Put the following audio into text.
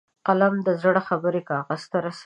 قلم د زړه خبرې کاغذ ته رسوي